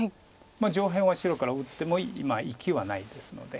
上辺は白から打っても生きはないですので。